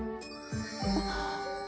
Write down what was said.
あっ！